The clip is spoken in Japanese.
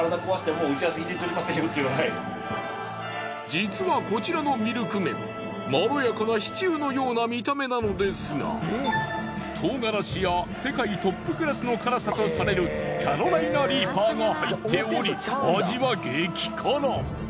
実はこちらのミルク麺まろやかなシチューのような見た目なのですが唐辛子や世界トップクラスの辛さとされるキャロライナリーパーが入っており味は激辛。